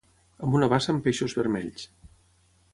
Amb una bassa amb peixos vermells